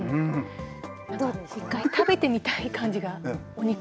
一回、食べてみたい感じが、お肉。